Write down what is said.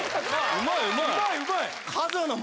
うまい。